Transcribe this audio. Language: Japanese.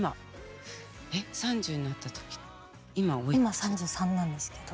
今３３歳なんですけど。